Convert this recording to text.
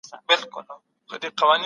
سياسي آزادۍ ته د خلګو اړتيا زياته سوه.